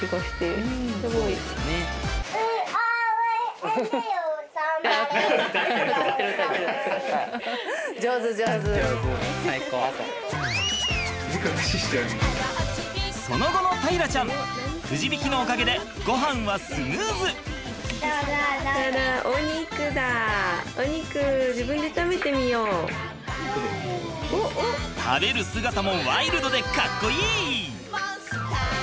食べる姿もワイルドでかっこいい！